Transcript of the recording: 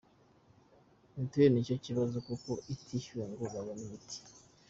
Mutuel nicyo kibazo kuko itishyura ngo babone imiti.